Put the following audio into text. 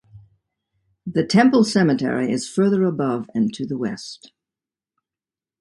The temple cemetery is further above and to the west.